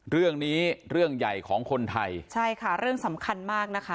เรื่องนี้เรื่องใหญ่ของคนไทยใช่ค่ะเรื่องสำคัญมากนะคะ